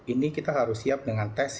ini kita harus siap dengan tes